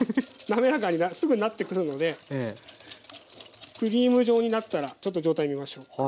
滑らかにすぐなってくるのでクリーム状になったらちょっと状態見ましょうか。